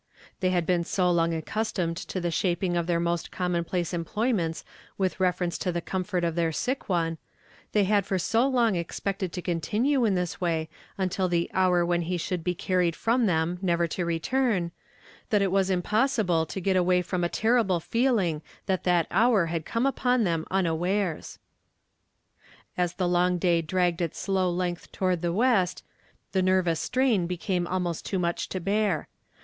They had been so long accustomed to the shaping of their most commonplace einploy ments with reference to the comfort of their sick one, they had for so long expected to continue in this way until the hour when he should be carried from them never to return, that it was impossible to get away from a terrible feeling that that hour had come upon them unawares. As the long day dragged its slow length to 82 YESTERDAY FltAMED IN TO DAY. ward tho west, the nervous strain became almost too much to bear.